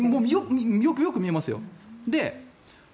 よくよく見えますよ。